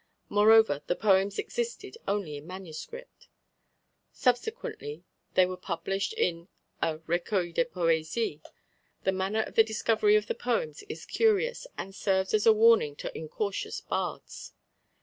Moreover the poems existed only in MS.; subsequently they were published in a Recueil de Poésies. The manner of the discovery of the poems is curious, and serves as a warning to incautious bards.